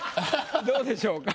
どうでしょうか？